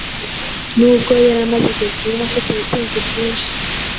Nubwo yari amaze igihe kinini afite ubutunzi bwinshi